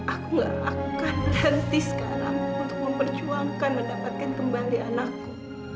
aku gak akan berhenti sekarang untuk memperjuangkan mendapatkan kembali anakku